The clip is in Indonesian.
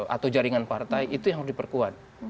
atau jaringan partai itu yang harus diperkuat